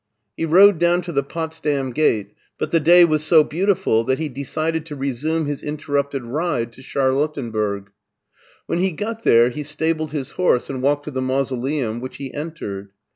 He rode down to the Potsdam gate, but the day was so beautiful that he decided to resume his inter rupted ride to Charlottenburg. When he got there he stabled his horse and walked to the Mausoleum, which he entered.